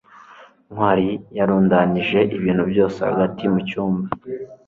ntwali yarundanyije ibintu byose hagati mu cyumba